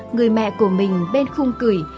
người mẹ của mình bên khung cười